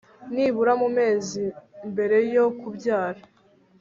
nibura mu mezi mbere yo kubyara